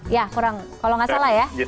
ya kurang kalau nggak salah ya